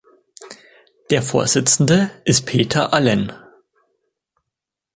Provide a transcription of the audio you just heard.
Der Vorsitzende ist Peter Allen.